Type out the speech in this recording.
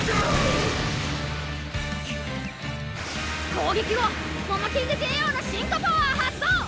攻撃後モモキングＪＯのシンカパワー発動！